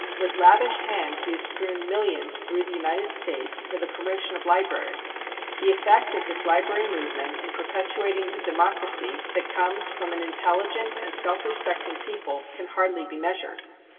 With lavish hand he has strewn millions through the United States for the promotion of libraries. The effect of this library movement in perpetuating the democracy that comes from an intelligent and self respecting people can hardly be measured.